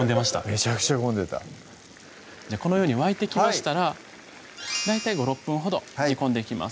めちゃくちゃ混んでたこのように沸いてきましたら大体５６分ほど煮込んでいきます